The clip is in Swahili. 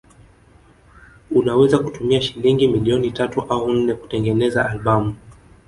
Unaweza kutumia shilingi milioni tatu au nne kutengeneza albamu